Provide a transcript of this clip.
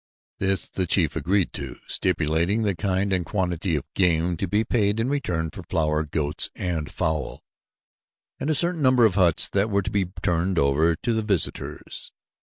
This the chief agreed to, stipulating the kind and quantity of game to be paid in return for flour, goats, and fowl, and a certain number of huts that were to be turned over to the visitors.